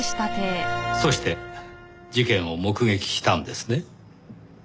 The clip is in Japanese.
そして事件を目撃したんですね。